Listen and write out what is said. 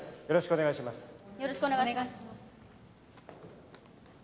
よろしくお願いします。